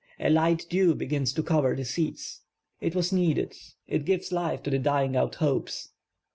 ; a light dew begins to cover the seats. It was needed. It gives life to the dying out hopes.